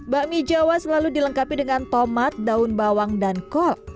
bakmi jawa selalu dilengkapi dengan tomat daun bawang dan kol